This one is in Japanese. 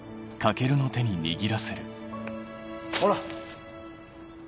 ほら！